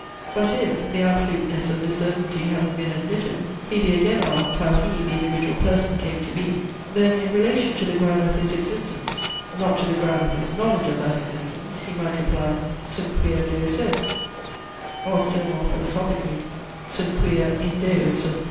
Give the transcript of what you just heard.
But if (the absoluteness of this certainty having been admitted) he be again asked, how he, the individual person, came to be, then in relation to the ground of his existence, not to the ground of his knowledge of that existence, he might reply, sum quia Deus est, or still more philosophically, sum quia in Deo sum.